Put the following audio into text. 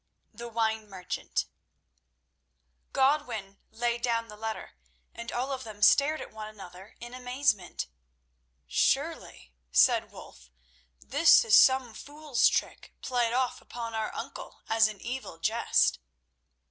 The Wine Merchant Godwin laid down the letter, and all of them stared at one another in amazement. "Surely," said Wulf, "this is some fool's trick played off upon our uncle as an evil jest."